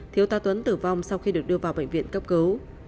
thiếu tá tuấn tử vong sau khi được đưa vào bệnh viện cấp cứu